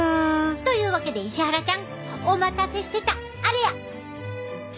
というわけで石原ちゃんお待たせしてたあれや！